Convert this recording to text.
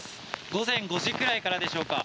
午前５時くらいからでしょうか。